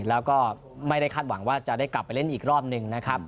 แล้วก็ไม่ได้คาดหวังว่าจะได้กลับไปเล่นอีกรอบหนึ่งนะครับ